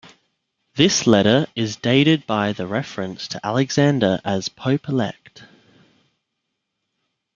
This letter is dated by the reference to Alexander as "Pope-elect".